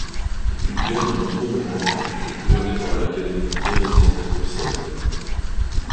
Il publia de nombreux mémoires qui furent couronnés par l'Académie Thérésienne à Bruxelles.